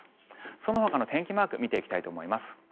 そのほかの天気マーク見ていきたいと思います。